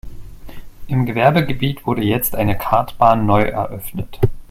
Im Gewerbegebiet wurde jetzt eine Kartbahn neu eröffnet.